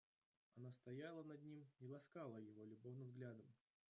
Она стояла над ним и ласкала его любовным взглядом.